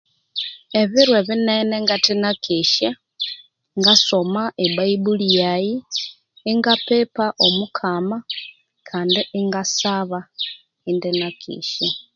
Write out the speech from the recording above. Ebiro ebinene ngathe nakesya, ngasoma e bayibuli yayi, inga pipa Omukama, kandi ingasaba indenakesya.